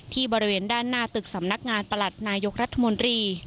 บริเวณด้านหน้าตึกสำนักงานประหลัดนายกรัฐมนตรี